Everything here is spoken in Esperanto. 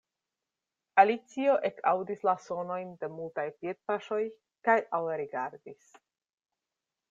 Alicio ekaŭdis la sonojn de multaj piedpaŝoj, kaj alrigardis.